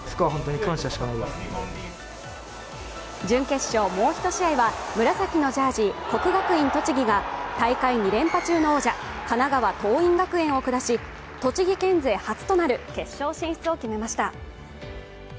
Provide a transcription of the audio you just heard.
準決勝、もう一試合は紫のジャージー、國學院栃木が大会２連覇中の王者、神奈川・桐蔭学園を下し、栃木県勢初となる決勝進出を決めました。